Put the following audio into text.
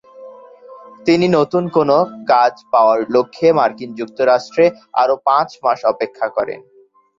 তিনি নতুন কোন কাজ পাওয়ার লক্ষ্যে মার্কিন যুক্তরাষ্ট্রে আরও পাঁচ মাস অপেক্ষা করেন।